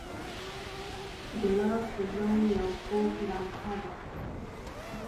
ګلاب د ژوند یو خوږ لمحه ده.